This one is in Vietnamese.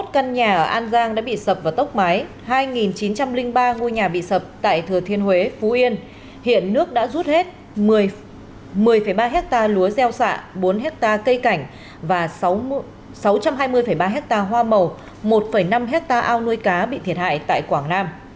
ba mươi một căn nhà ở an giang đã bị sập vào tốc máy hai chín trăm linh ba ngôi nhà bị sập tại thừa thiên huế phú yên hiện nước đã rút hết một mươi ba ha lúa gieo xạ bốn ha cây cảnh và sáu trăm hai mươi ba ha hoa màu một năm ha ao nuôi cá bị thiệt hại tại quảng nam